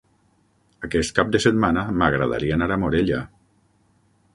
Aquest cap de setmana m'agradaria anar a Morella.